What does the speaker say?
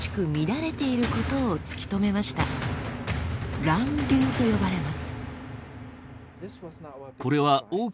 「乱流」と呼ばれます。